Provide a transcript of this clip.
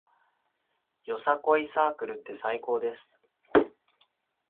よさこいサークルって最高です